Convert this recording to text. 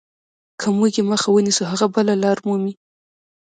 که موږ یې مخه ونیسو هغه بله لار مومي.